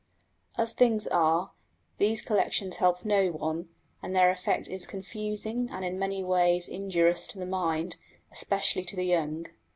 As things are, these collections help no one, and their effect is confusing and in many ways injurious to the mind, especially to the young.